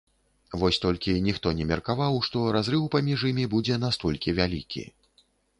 Вось толькі ніхто не меркаваў, што разрыў паміж імі будзе настолькі вялікі.